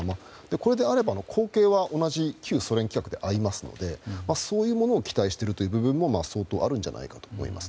これであれば口径は同じ旧ソ連規格で合いますのでそういうものを期待している部分も相当あると思います。